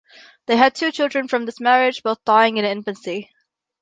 They had two children from this marriage, both dying in infancy.